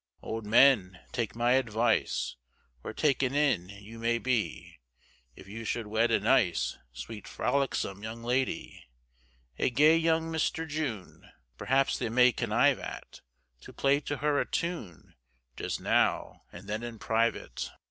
Old men, take my advice, Or taken in you may be, If you should wed a nice, Sweet frolicsome young lady; A gay, young Mister June, Perhaps they may connive at, To play to her a tune, Just now and then in private.